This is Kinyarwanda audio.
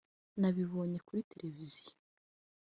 “Nabibonye kuri televisiyo